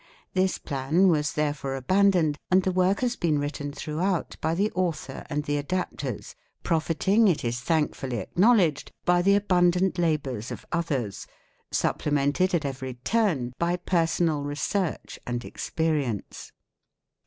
This — plan was therefore abandoned and the work has been written throughout by the author and the adaptors, profitting, it is thankfully acknowledged INTRODUCTION XXV ® by the abundant labours of others, supplemented at every turn by per sonal research and experience.